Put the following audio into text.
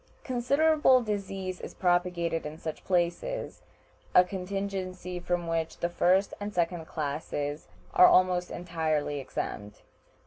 Considerable disease is propagated in such places, a contingency from which the first and second classes are almost entirely exempt.